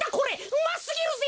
うますぎるぜ。